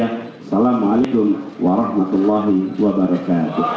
wassalamualaikum warahmatullahi wabarakatuh